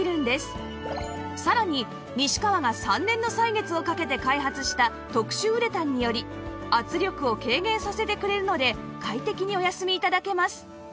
さらに西川が３年の歳月をかけて開発した特殊ウレタンにより圧力を軽減させてくれるので快適にお休み頂けます